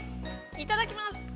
いただきます。